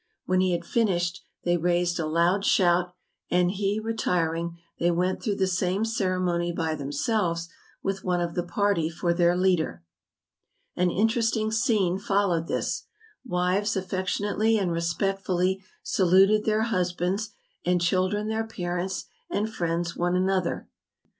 When he had finished, they raised a loud shout, and he retiring, they went through the same ceremony by themselves with one of the party for their leader. An interesting scene followed this; wives affec¬ tionately and respectfully saluted their husbands, and children their parents, and friends one another.